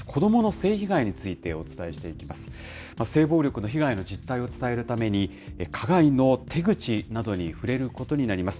性暴力の被害の実態を伝えるために、加害の手口などに触れることになります。